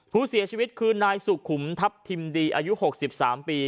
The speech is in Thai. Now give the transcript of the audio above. ผู้เสียชีวิตคือนายสุขุมทัพทิมดีอายุ๖๓ปี